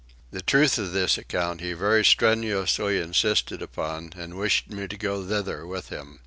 The truth of this account he very strenuously insisted upon and wished me to go thither with him.